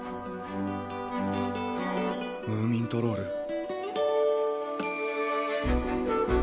ムーミントロール。